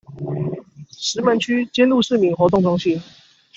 石門區尖鹿市民活動中心